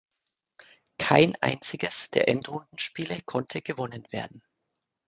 Kein einziges der Endrundenspiele konnte gewonnen werden.